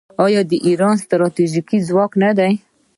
آیا دا د ایران ستراتیژیک ځواک نه دی؟